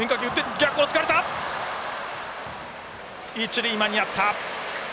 一塁、間に合った。